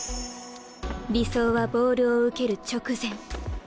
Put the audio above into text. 理想はボールを受ける直前。